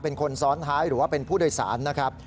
เป็นคนซ้อนท้ายหรือว่าเป็นผู้โดยสารนะครับ